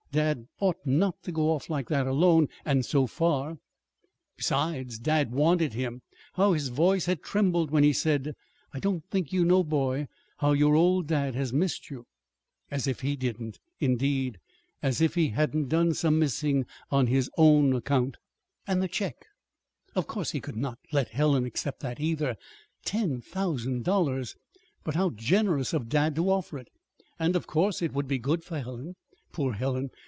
Dad ought not to go off like that alone, and so far. Besides, dad wanted him. How his voice had trembled when he had said, "I don't think you know, boy, how your old dad has missed you"! As if he didn't, indeed! As if he hadn't done some missing on his own account! And the check. Of course he could not let Helen accept that, either, ten thousand dollars! But how generous of dad to offer it and of course it would be good for Helen. Poor Helen!